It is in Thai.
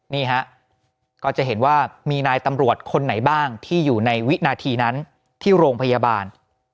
นี่ฮะก็จะเห็นว่ามีนายตำรวจคนไหนบ้างที่อยู่ในวินาทีนั้นที่โรงพยาบาล